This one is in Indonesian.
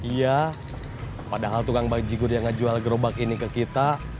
iya padahal tukang bajigur yang ngejual gerobak ini ke kita